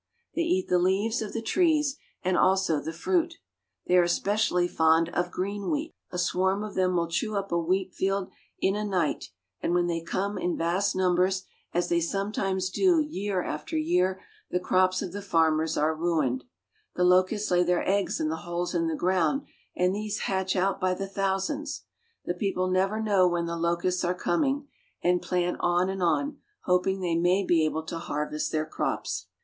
They eat the leaves of the trees and also the fruit. They are especially fond of green wheat. A swarm of them will chew up a wheatfield in a night, and GREAT FRUIT AND BREAD LANDS. 1 89 when they come in vast numbers, as they sometimes do year after year, the crops of the farmers are ruined. The locusts lay their eggs in the holes in the ground, and these hatch out by the thousands. The people never know when the locusts are coming, and plant on and on, hoping they may be able to harvest their crops.